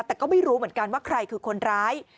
แต่ก็ไม่รู้เหมือนกันว่าใครคือคนร้าย